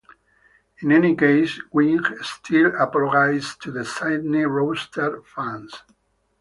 In any case, Wing still apologised to the Sydney Roosters fans.